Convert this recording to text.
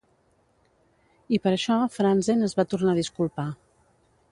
I per això Franzen es va tornar a disculpar.